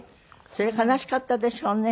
それ悲しかったでしょうね。